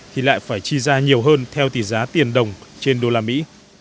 thì lại phải chi ra nhiều hơn theo tỷ giá tiền đồng trên đô la mỹ